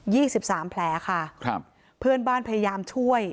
ี่สิบสามแผลค่ะครับเพื่อนบ้านพยายามช่วย